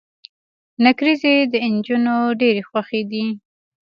نکریزي د انجونو ډيرې خوښې دي.